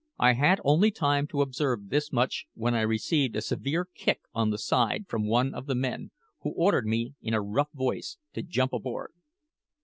I had only time to observe this much when I received a severe kick on the side from one of the men, who ordered me, in a rough voice, to jump aboard.